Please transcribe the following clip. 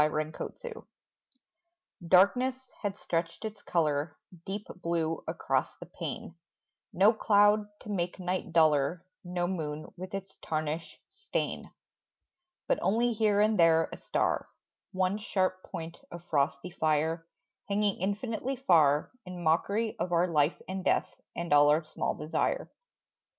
WAKING Darkness had stretched its colour, Deep blue across the pane: No cloud to make night duller, No moon with its tarnish stain; But only here and there a star, One sharp point of frosty fire, Hanging infinitely far In mockery of our life and death And all our small desire.